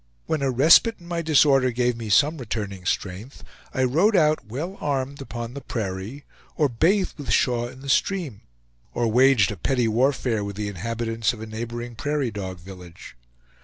When a respite in my disorder gave me some returning strength, I rode out well armed upon the prairie, or bathed with Shaw in the stream, or waged a petty warfare with the inhabitants of a neighborhood prairie dog village.